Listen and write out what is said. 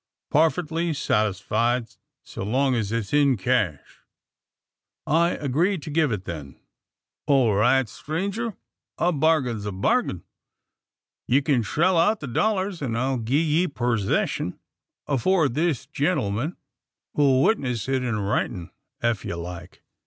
"Parfitly satisfied so long's it's in cash." "I agree to give it then." "All right, strenger! a bargain's a bargain. You kin shell out the dollars; and I'll gie ye pursession afore this gentleman who'll witness it in writin', ef you like."